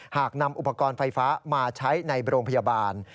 หากนำอุปกรณ์ไฟฟ้ามาใช้ในโรงพยาบาล